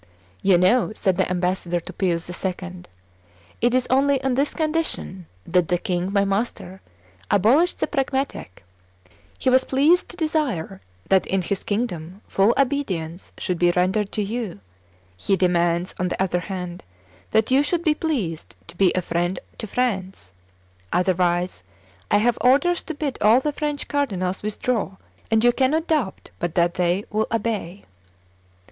"You know," said the ambassador to Pius II., "it is only on this condition that the king my master abolished the Pragmatic; he was pleased to desire that in his kingdom full obedience should be rendered to you; he demands, on the other hand, that you should be pleased to be a friend to France; otherwise I have orders to bid all the French cardinals withdraw, and you cannot doubt but that they will obey."